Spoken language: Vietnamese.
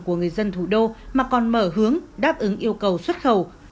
của người dân thủ đô mà còn mở hướng đáp ứng yêu cầu xuất khẩu